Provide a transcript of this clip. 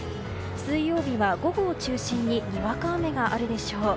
水曜日は午後を中心ににわか雨があるでしょう。